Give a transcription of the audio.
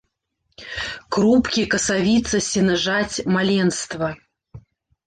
Крупкі, касавіца, сенажаць, маленства…